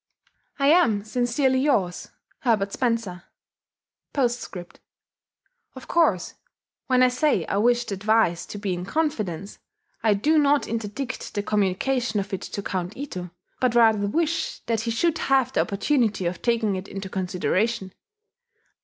I am sincerely yours, HERBERT SPENCER. P.S. Of course, when I say I wish this advice to be in confidence, I do not interdict the communication of it to Count Ito, but rather wish that he should have the opportunity of taking it into consideration.